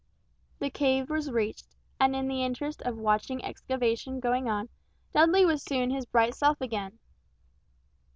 The cave was reached, and in the interest of watching excavation going on Dudley was soon his bright self again.